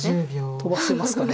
飛ばせますかね。